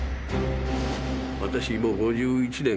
私もう５１年